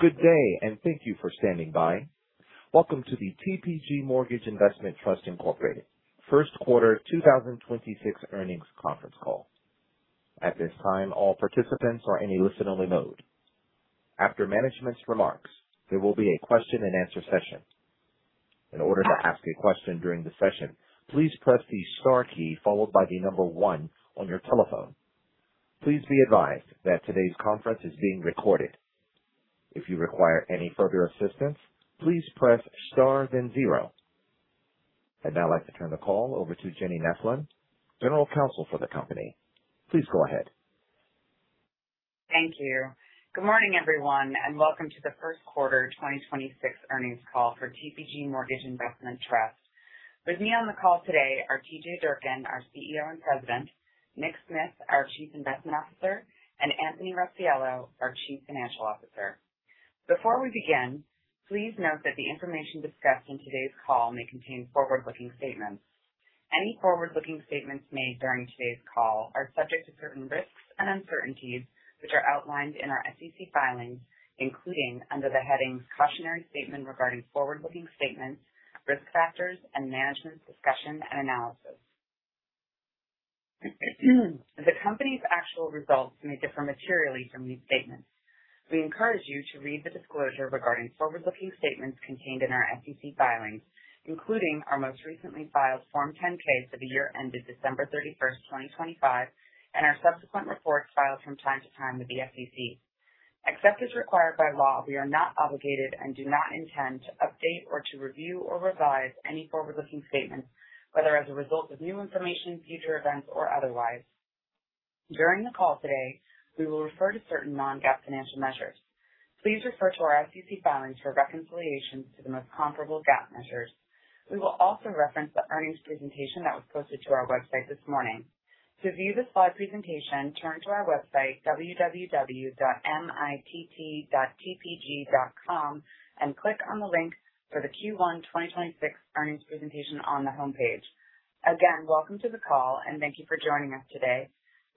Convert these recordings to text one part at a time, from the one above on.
Good day. Thank you for standing by. Welcome to the TPG Mortgage Investment Trust, Inc. First quarter 2026 Earnings Conference Call. At this time, all participants are in a listen-only mode. After management's remarks, there will be a question-and-answer session. In order to ask a question during the session please press the star key followed by the number one on your telephone. Please be advised that today's conference is being recorded. If you require any further assistance please press star then zero. I'd now like to turn the call over to Jenny Neslin, General Counsel for the company. Please go ahead. Thank you. Good morning, everyone, and welcome to the first quarter 2026 earnings call for TPG Mortgage Investment Trust. With me on the call today are T.J. Durkin, our CEO and President, Nicholas Smith, our Chief Investment Officer, and Anthony Rossiello, our Chief Financial Officer. Before we begin, please note that the information discussed in today's call may contain forward-looking statements. Any forward-looking statements made during today's call are subject to certain risks and uncertainties, which are outlined in our SEC filings, including under the headings "Cautionary Statement Regarding Forward-Looking Statements," "Risk Factors," and "Management's Discussion and Analysis." The company's actual results may differ materially from these statements. We encourage you to read the disclosure regarding forward-looking statements contained in our SEC filings, including our most recently filed Form 10-K for the year ended December 31, 2025, and our subsequent reports filed from time to time with the SEC. Except as required by law, we are not obligated and do not intend to update or to review or revise any forward-looking statements, whether as a result of new information, future events, or otherwise. During the call today, we will refer to certain non-GAAP financial measures. Please refer to our SEC filings for reconciliations to the most comparable GAAP measures. We will also reference the earnings presentation that was posted to our website this morning. To view the slide presentation, turn to our website, www.mitt.tpg.com, and click on the link for the Q1 2026 earnings presentation on the homepage. Again, welcome to the call, and thank you for joining us today.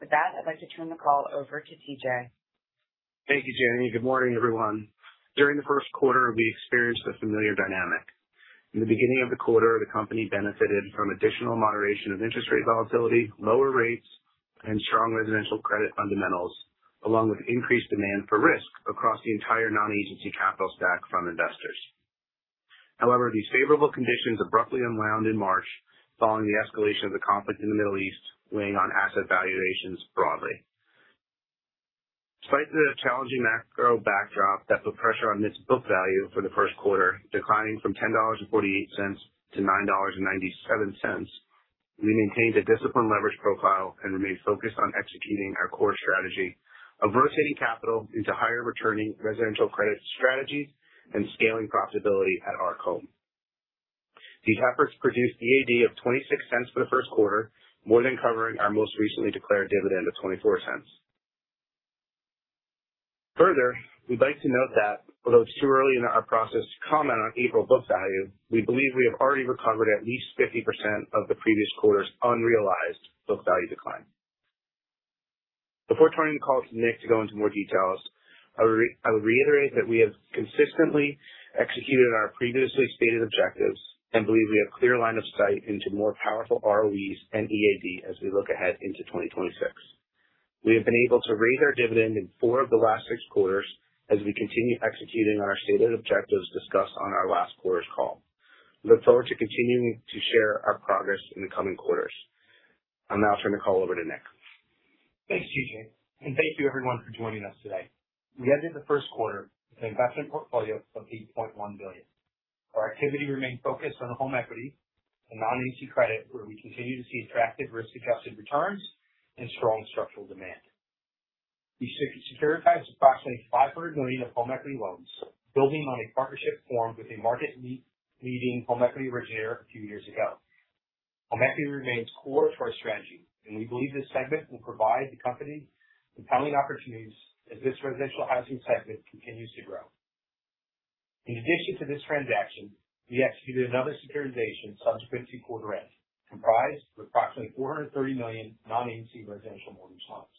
With that, I'd like to turn the call over to T.J. Thank you, Jenny. Good morning, everyone. During the first quarter, we experienced a familiar dynamic. In the beginning of the quarter, the company benefited from additional moderation of interest rate volatility, lower rates, and strong residential credit fundamentals, along with increased demand for risk across the entire non-agency capital stack from investors. These favorable conditions abruptly unwound in March following the escalation of the conflict in the Middle East, weighing on asset valuations broadly. Despite the challenging macro backdrop that put pressure on this book value for the first quarter, declining from $10.48 to $9.97, we maintained a disciplined leverage profile and remained focused on executing our core strategy of rotating capital into higher returning residential credit strategies and scaling profitability at Arc Home. These efforts produced the AD of $0.26 for the first quarter, more than covering our most recently declared dividend of $0.24. Further, we'd like to note that although it's too early in our process to comment on April book value, we believe we have already recovered at least 50% of the previous quarter's unrealized book value decline. Before turning the call to Nick to go into more details, I would reiterate that we have consistently executed our previously stated objectives and believe we have clear line of sight into more powerful ROEs and EAD as we look ahead into 2026. We have been able to raise our dividend in four of the last six quarters as we continue executing our stated objectives discussed on our last quarter's call. We look forward to continuing to share our progress in the coming quarters. I'll now turn the call over to Nick. Thanks, T.J., and thank you everyone for joining us today. We ended the first quarter with an investment portfolio of $8.1 billion. Our activity remained focused on home equity and non-agency credit, where we continue to see attractive risk-adjusted returns and strong structural demand. We securitized approximately $500 million of home equity loans, building on a partnership formed with a market leading home equity originator a few years ago. Home equity remains core to our strategy, and we believe this segment will provide the company compelling opportunities as this residential housing segment continues to grow. In addition to this transaction, we executed another securitization subsequent to quarter end, comprised of approximately $430 million non-agency residential mortgage loans.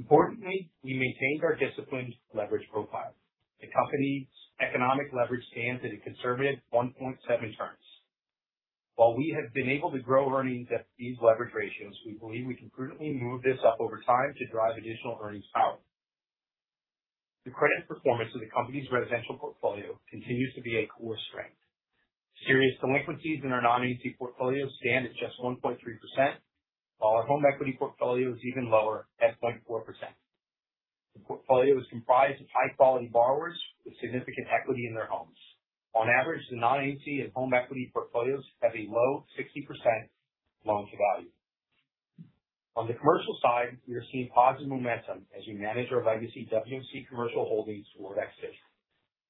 Importantly, we maintained our disciplined leverage profile. The company's economic leverage stands at a conservative 1.7x. While we have been able to grow earnings at these leverage ratios, we believe we can prudently move this up over time to drive additional earnings power. The credit performance of the company's residential portfolio continues to be a core strength. Serious delinquencies in our non-agency portfolio stand at just 1.3%, while our home equity portfolio is even lower at 0.4%. The portfolio is comprised of high-quality borrowers with significant equity in their homes. On average, the non-agency and home equity portfolios have a low 60% loan-to-value. On the commercial side, we are seeing positive momentum as we manage our legacy WMC commercial holdings for exit.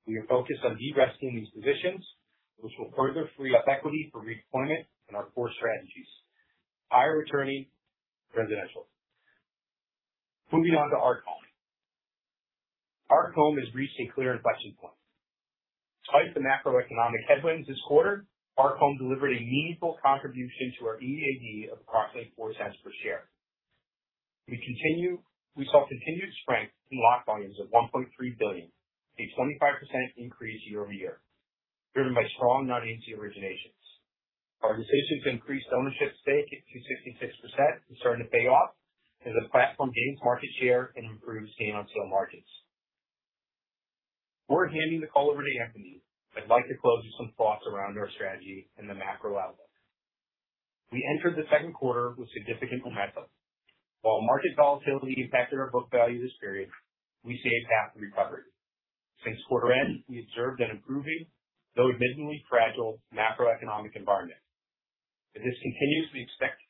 We are focused on de-risking these positions, which will further free up equity for redeployment in our core strategies. Higher returning residentials. Moving on to Arc Home. Arc Home has reached a clear inflection point. Despite the macroeconomic headwinds this quarter, Arc Home delivered a meaningful contribution to our EAD of approximately $0.04 per share. We saw continued strength in lock volumes of $1.3 billion, a 25% increase year-over-year, driven by strong non-agency originations. Our decision to increase ownership stake to 56% is starting to pay off as the platform gains market share and improves gain on sale margins. Before handing the call over to Anthony, I'd like to close with some thoughts around our strategy and the macro outlook. We entered the second quarter with significant momentum. While market volatility impacted our book value this period, we see a path to recovery. Since quarter-end, we observed an improving, though admittedly fragile, macroeconomic environment. If this continues, we expect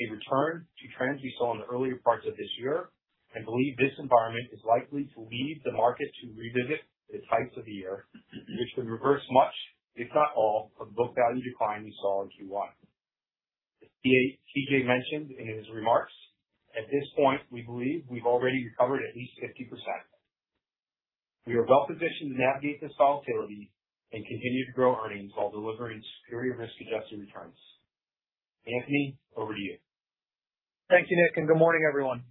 a return to trends we saw in the earlier parts of this year and believe this environment is likely to lead the market to revisit the heights of the year, which would reverse much, if not all, of the book value decline we saw in Q1. As T.J. mentioned in his remarks, at this point we believe we've already recovered at least 50%. We are well-positioned to navigate this volatility and continue to grow earnings while delivering superior risk-adjusted returns. Anthony, over to you. Thank you, Nick, and good morning, everyone.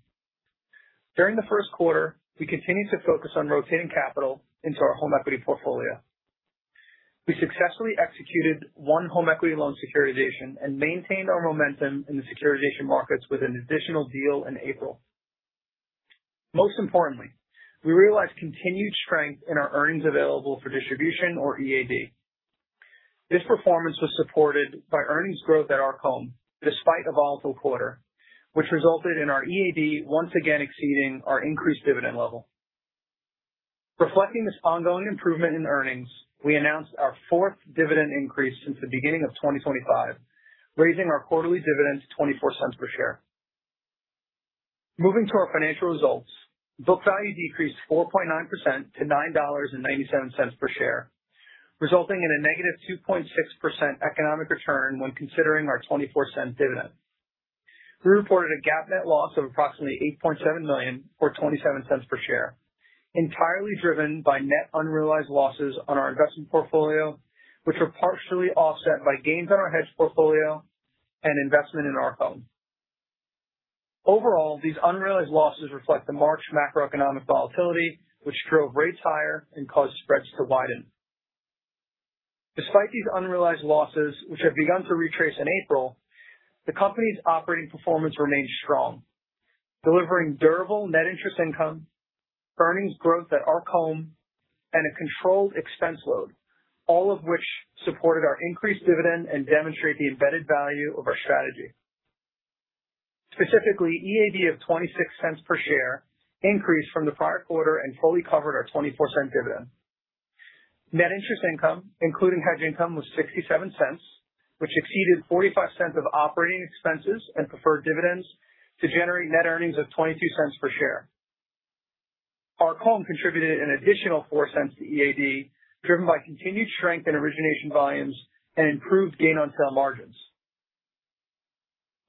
During the first quarter, we continued to focus on rotating capital into our home equity portfolio. We successfully executed one home equity loan securitization and maintained our momentum in the securitization markets with an additional deal in April. Importantly, we realized continued strength in our Earnings Available for Distribution or EAD. This performance was supported by earnings growth at Arc Home despite a volatile quarter, which resulted in our EAD once again exceeding our increased dividend level. Reflecting this ongoing improvement in earnings, we announced our fourth dividend increase since the beginning of 2025, raising our quarterly dividend to $0.24 per share. Moving to our financial results. Book value decreased 4.9% to $9.97 per share, resulting in a negative 2.6% economic return when considering our $0.24 dividend. We reported a GAAP net loss of approximately $8.7 million or $0.27 per share, entirely driven by net unrealized losses on our investment portfolio, which were partially offset by gains on our hedge portfolio and investment in Arc Home. These unrealized losses reflect the March macroeconomic volatility, which drove rates higher and caused spreads to widen. Despite these unrealized losses, which have begun to retrace in April, the company's operating performance remained strong, delivering durable net interest income, earnings growth at Arc Home, and a controlled expense load, all of which supported our increased dividend and demonstrate the embedded value of our strategy. EAD of $0.26 per share increased from the prior quarter and fully covered our $0.24 dividend. Net interest income, including hedge income, was $0.67, which exceeded $0.45 of operating expenses and preferred dividends to generate net earnings of $0.22 per share. Arc Home contributed an additional $0.04 to EAD, driven by continued strength in origination volumes and improved gain on sale margins.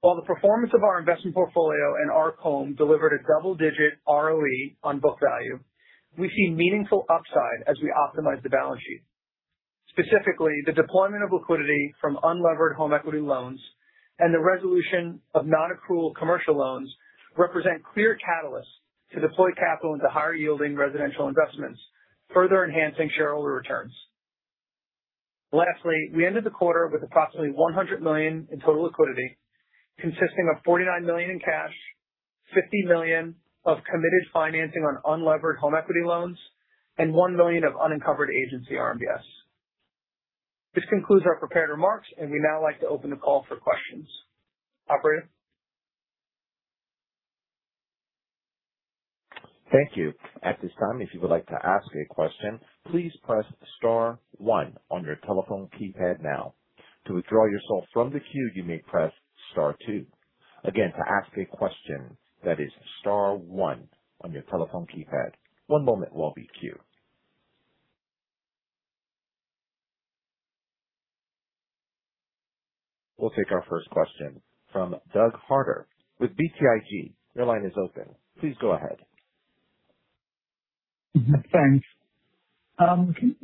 While the performance of our investment portfolio and Arc Home delivered a double-digit ROE on book value, we see meaningful upside as we optimize the balance sheet. Specifically, the deployment of liquidity from unlevered home equity loans and the resolution of non-accrual commercial loans represent clear catalysts to deploy capital into higher yielding residential investments, further enhancing shareholder returns. Lastly, we ended the quarter with approximately $100 million in total liquidity, consisting of $49 million in cash, $50 million of committed financing on unlevered home equity loans, and $1 million of unencumbered agency RMBS. This concludes our prepared remarks, and we'd now like to open the call for questions. Operator? Thank you. At this time, if you would like to ask a question, please press star one on your telephone keypad now. To withdraw yourself from the queue, you may press star two. Again, to ask a question that is star one on your telephone keypad. We'll take our first question from Doug Harter with BTIG. Your line is open. Please go ahead. Thanks. Can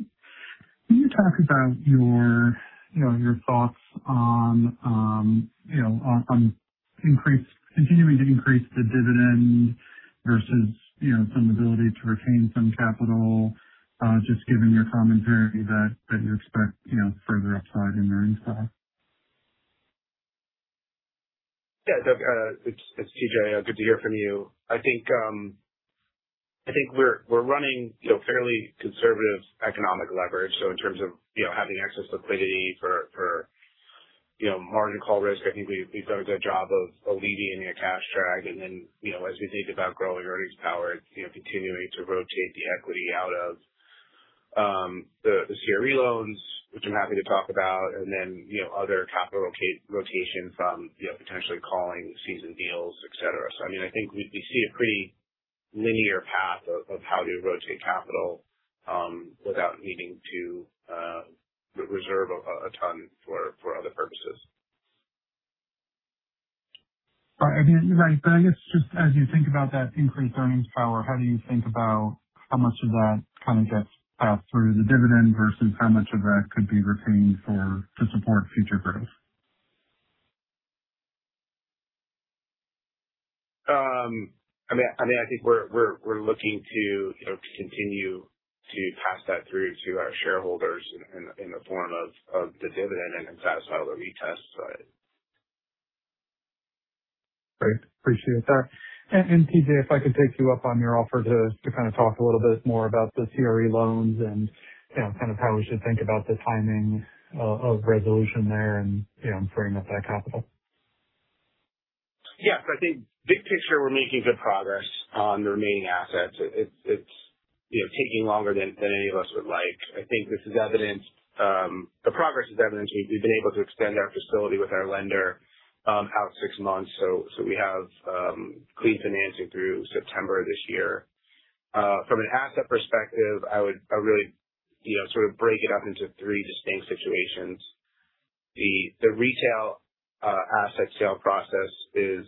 you talk about your, you know, your thoughts on, you know, on continuing to increase the dividend versus, you know, some ability to retain some capital, just given your commentary that you expect, you know, further upside in earnings power? Doug, it's T.J. Good to hear from you. I think we're running, you know, fairly conservative economic leverage. In terms of, you know, having excess liquidity for, you know, margin call risk, I think we've done a good job of alleviating a cash drag. As we think about growing earnings power, you know, continuing to rotate the equity out of the CRE loans, which I'm happy to talk about, and then, you know, other capital rotation from, you know, potentially calling seasoned deals, et cetera. I mean, I think we see a pretty linear path of how to rotate capital without needing to reserve a ton for other purposes. Right. I mean, right. I guess just as you think about that increased earnings power, how do you think about how much of that kind of gets passed through the dividend versus how much of that could be retained to support future growth? I mean, I think we're looking to, you know, continue to pass that through to our shareholders in the form of the dividend and satisfy the retest. Great. Appreciate that. T.J., if I could take you up on your offer to kind of talk a little bit more about the CRE loans and, you know, kind of how we should think about the timing of resolution there and, you know, freeing up that capital. Yes. I think big picture, we're making good progress on the remaining assets. It's, you know, taking longer than any of us would like. I think this is evident. The progress is evident. We've been able to extend our facility with our lender out six months. We have clean financing through September this year. From an asset perspective, I really, you know, sort of break it up into three distinct situations. The retail asset sale process is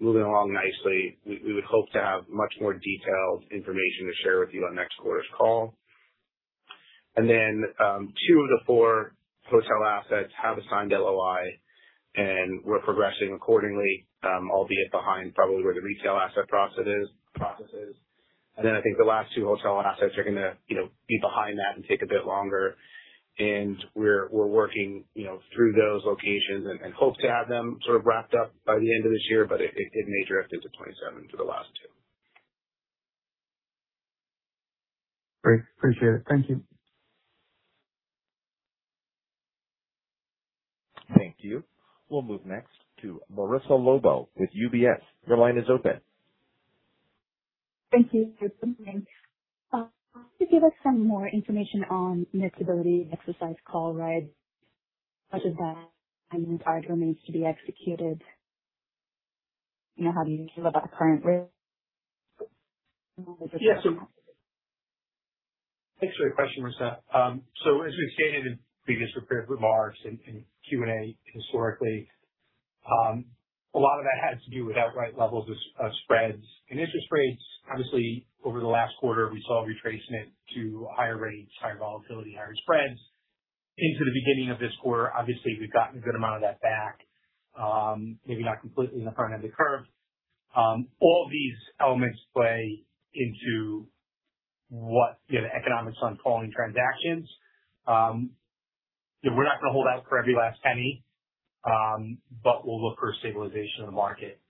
moving along nicely. We would hope to have much more detailed information to share with you on next quarter's call. Two of the four hotel assets have assigned LOI, and we're progressing accordingly, albeit behind probably where the retail asset process is. I think the last two hotel assets are gonna, you know, be behind that and take a bit longer. We're working, you know, through those locations and hope to have them sort of wrapped up by the end of this year. It may drift into 2027 for the last two. Great. Appreciate it. Thank you. Thank you. We'll move next to Marissa Lobo with UBS. Your line is open. Thank you. Good morning. Could you give us some more information on miscibility exercise call rights? Much of that remains to be executed. You know, how do you feel about current risk? Thanks for your question, Marissa. As we've stated in previous prepared remarks and Q&A historically, a lot of that has to do with outright levels of spreads and interest rates. Over the last quarter, we saw a retracement to higher rates, higher volatility, higher spreads into the beginning of this quarter. We've gotten a good amount of that back. Maybe not completely in the front end of the curve. All these elements play into what the economics on calling transactions. We're not gonna hold out for every last penny. We'll look for stabilization of the market,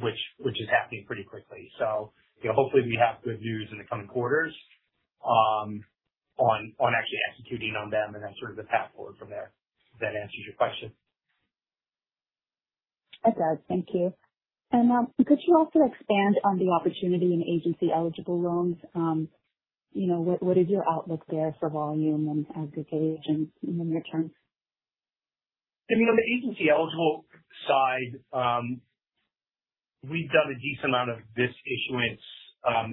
which is happening pretty quickly. You know, hopefully we have good news in the coming quarters on actually executing on them. That's sort of the path forward from there. If that answers your question. It does. Thank you. Could you also expand on the opportunity in agency eligible loans? You know, what is your outlook there for volume and aggregate agency and returns? I mean, on the agency-eligible side, we've done a decent amount of this issuance,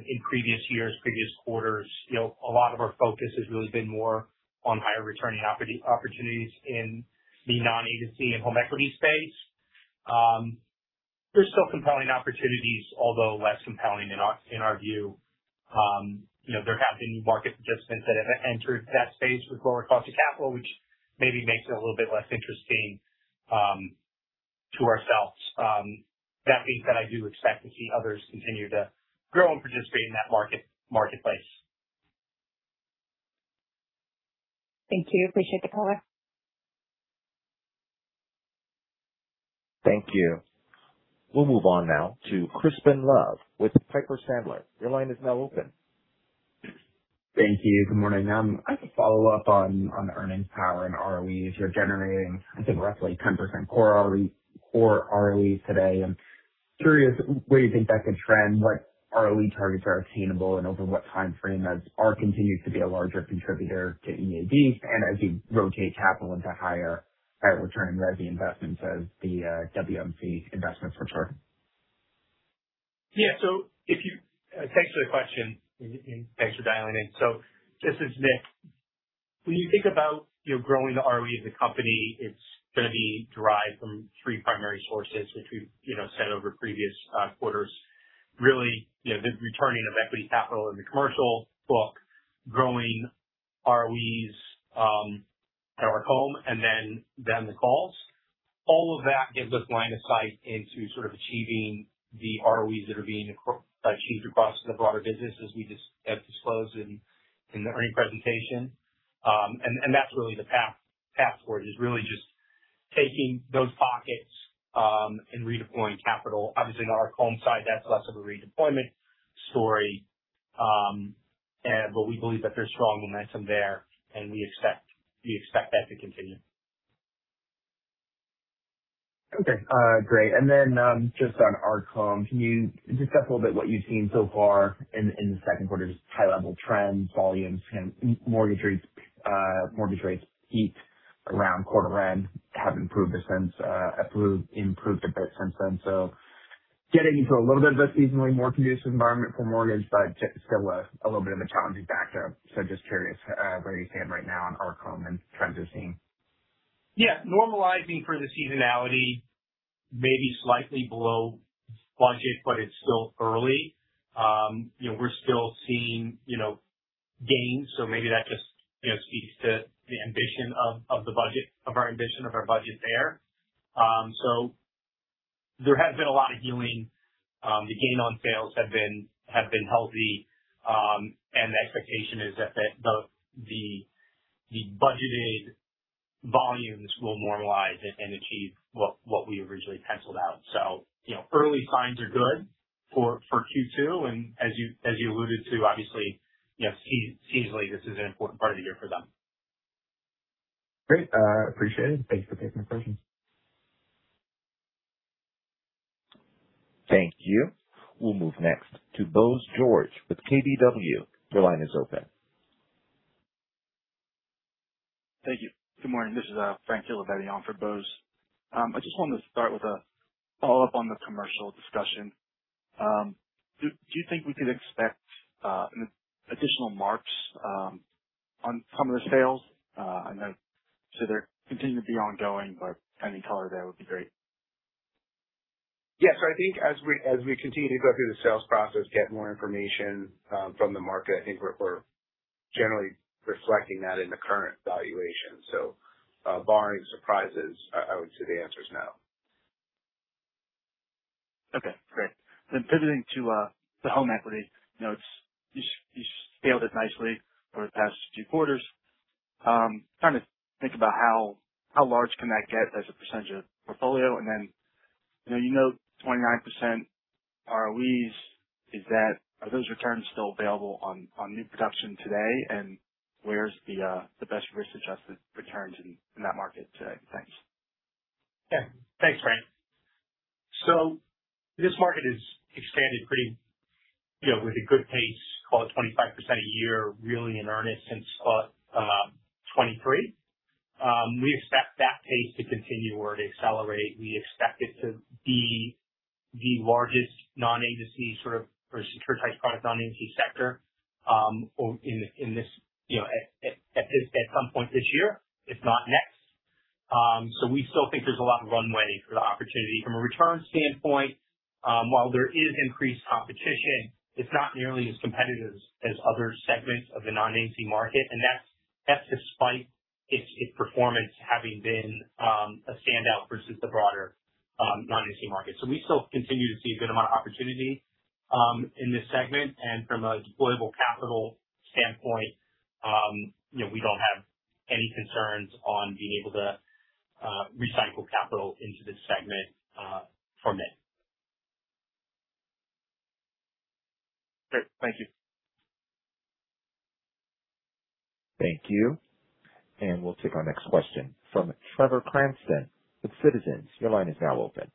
in previous years, previous quarters. You know, a lot of our focus has really been more on higher returning opportunities in the non-agency and home equity space. There's still compelling opportunities, although less compelling in our, in our view. You know, there have been market adjustments that have entered that space with lower cost of capital, which maybe makes it a little bit less interesting, to ourselves. That being said, I do expect to see others continue to grow and participate in that market, marketplace. Thank you. Appreciate the color. Thank you. We'll move on now to Crispin Love with Piper Sandler. Your line is now open. Thank you. Good morning. I have a follow-up on the earnings power and ROEs you're generating, I think roughly 10% core ROE today. I'm curious where you think that could trend, what ROE targets are attainable and over what time frame as ARC continues to be a larger contributor to EAD and as you rotate capital into higher return resi investments as the WMC investments mature. Yeah. Thanks for the question and thanks for dialing in. This is Nick. When you think about, you know, growing the ROE of the company, it's gonna be derived from three primary sources, which we've, you know, said over previous quarters. Really, you know, the returning of equity capital in the commercial book, growing ROEs at Arc Home and then the calls. All of that gives us line of sight into sort of achieving the ROEs that are being achieved across the broader business as we just have disclosed in the earning presentation. That's really the path forward is really just taking those pockets and redeploying capital. Obviously in Arc Home side that's less of a redeployment story. We believe that there's strong momentum there and we expect that to continue. Okay. Great. Just on Arc Home, can you discuss a little bit what you've seen so far in the second quarter, just high-level trends, volumes and mortgage rates. Mortgage rates peaked around quarter end have improved since, improved a bit since then. Getting into a little bit of a seasonally more conducive environment for mortgage, but still a little bit of a challenging factor. Just curious, where you stand right now on Arc Home and trends you're seeing? Yeah. Normalizing for the seasonality may be slightly below budget, but it's still early. You know, we're still seeing, you know, gains, maybe that just, you know, speaks to our ambition of our budget there. There has been a lot of healing. The gain on sales have been healthy. The expectation is that the budgeted volumes will normalize and achieve what we originally penciled out. You know, early signs are good for Q2. As you alluded to, obviously, you know, seasonally, this is an important part of the year for them. Great. Appreciate it. Thanks for taking the question. Thank you. We'll move next to Bose George with KBW. Your line is open. Thank you. Good morning. This is [Frank Gilliam] on for Bose. I just wanted to start with a follow-up on the commercial discussion. Do you think we could expect an additional marks on some of the sales? They're continuing to be ongoing, but any color there would be great. Yes. I think as we continue to go through the sales process, get more information from the market, I think we're generally reflecting that in the current valuation. Barring surprises, I would say the answer is no. Okay, great. Pivoting to the home equity notes. You scaled it nicely over the past two quarters. Trying to think about how large can that get as a percentage of portfolio. You know, you note 29% ROEs. Are those returns still available on new production today? Where's the best risk-adjusted returns in that market today? Thanks. Yeah. Thanks, Frank. This market has expanded pretty, you know, with a good pace, call it 25% a year, really in earnest since 2023. We expect that pace to continue or to accelerate. We expect it to be the largest non-agency or securitized product non-agency sector, in this, you know, at some point this year, if not next. We still think there's a lot of runway for the opportunity. From a return standpoint, while there is increased competition, it's not nearly as competitive as other segments of the non-agency market, and that's despite its performance having been a standout versus the broader non-agency market. We still continue to see a good amount of opportunity in this segment. From a deployable capital standpoint, you know, we don't have any concerns on being able to recycle capital into this segment from MIT. Great. Thank you. Thank you. We'll take our next question from Trevor Cranston with Citizens. Your line is now open.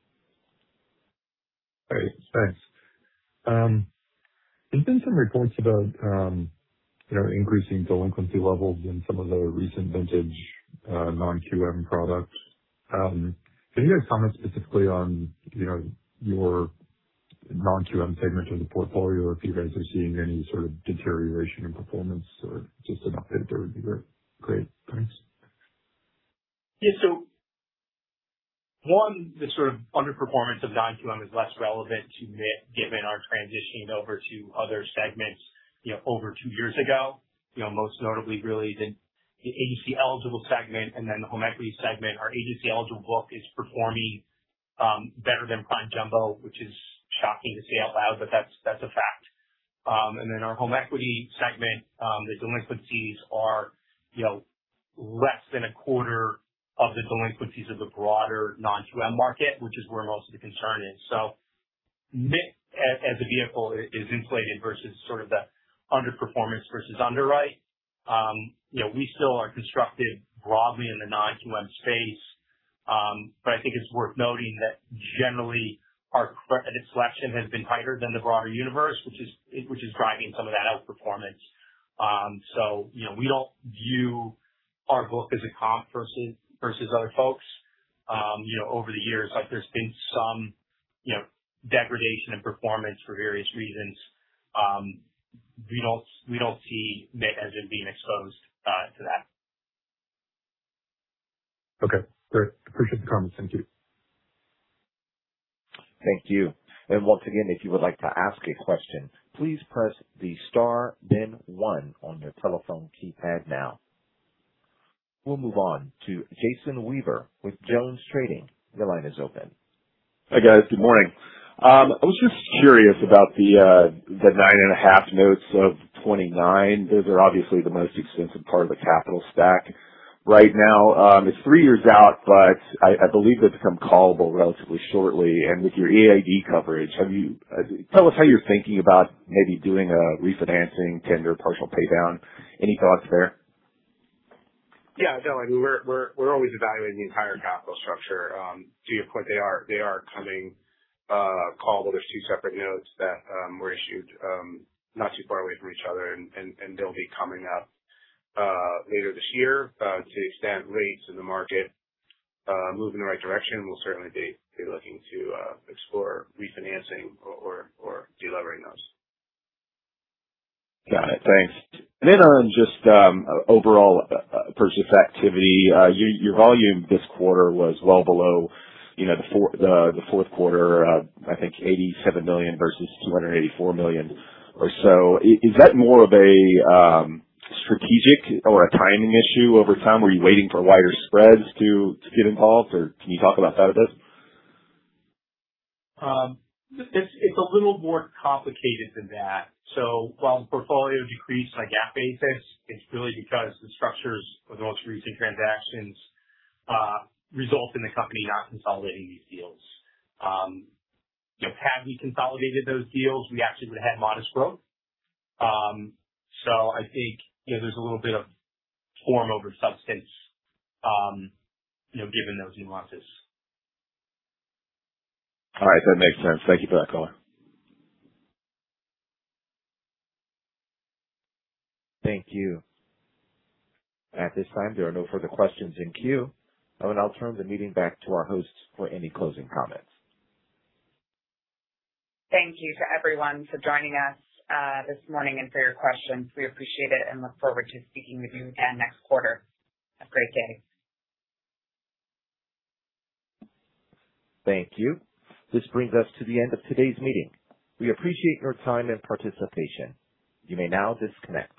Hey, thanks. There's been some reports about, you know, increasing delinquency levels in some of the recent vintage non-QM products. Can you guys comment specifically on, you know, your non-QM segment of the portfolio or if you guys are seeing any sort of deterioration in performance or just an update there would be great. Thanks. Yeah. One, the sort of underperformance of non-QM is less relevant to MIT given our transitioning over to other segments, you know, over two years ago. You know, most notably really the agency-eligible segment and then the home equity segment. Our agency-eligible book is performing better than prime jumbo, which is shocking to say out loud, but that's a fact. Our home equity segment, the delinquencies are, you know, less than a quarter of the delinquencies of the broader non-QM market, which is where most of the concern is. MIT as a vehicle is inflated versus sort of the underperformance versus underwrite. You know, we still are constructive broadly in the non-QM space. I think it's worth noting that generally our credit selection has been tighter than the broader universe, which is driving some of that outperformance. You know, we don't view our book as a comp versus other folks. You know, over the years, like, there's been some, you know, degradation in performance for various reasons. We don't see MIT as it being exposed to that. Okay. Great. Appreciate the comments. Thank you. Thank you. Once again, if you would like to ask a question, please press the star then one on your telephone keypad now. We'll move on to Jason Weaver with Jones Trading. Your line is open. Hi, guys. Good morning. I was just curious about the 9.5% notes due 2029. Those are obviously the most expensive part of the capital stack right now. It's three years out, but I believe they've become callable relatively shortly. With your EAD coverage, tell us how you're thinking about maybe doing a refinancing tender partial pay down. Any thoughts there? No, I mean, we're always evaluating the entire capital structure. To your point, they are coming callable. There's two separate notes that were issued not too far away from each other and they'll be coming up later this year. To the extent rates in the market move in the right direction, we'll certainly be looking to explore refinancing or de-levering those. Got it. Thanks. Then on just overall purchase activity. Your volume this quarter was well below, you know, the fourth quarter, I think $87 million versus $284 million or so. Is that more of a strategic or a timing issue over time? Were you waiting for wider spreads to get involved or can you talk about that a bit? It's a little more complicated than that. While the portfolio decreased on a GAAP basis, it's really because the structures for the most recent transactions result in the company not consolidating these deals. You know, had we consolidated those deals, we actually would've had modest growth. I think, you know, there's a little bit of form over substance, you know, given those nuances. All right. That makes sense. Thank you for that color. Thank you. At this time, there are no further questions in queue, and I'll turn the meeting back to our hosts for any closing comments. Thank you to everyone for joining us this morning and for your questions. We appreciate it and look forward to speaking with you again next quarter. Have a great day. Thank you. This brings us to the end of today's meeting. We appreciate your time and participation. You may now disconnect.